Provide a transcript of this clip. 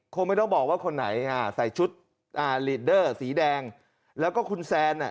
คงไม่ต้องบอกว่าคนไหนอ่าใส่ชุดอ่าลีดเดอร์สีแดงแล้วก็คุณแซนอ่ะ